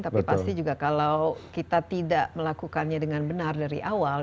tapi pasti juga kalau kita tidak melakukannya dengan benar dari awal